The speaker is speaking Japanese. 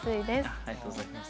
ありがとうございます。